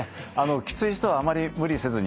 キツい人はあまり無理せずに。